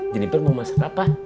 jeniper mau masak apa